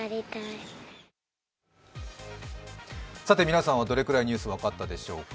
皆さんはどれくらいニュース分かったでしょうか？